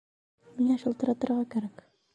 Миңә шылтыратырға кәрәк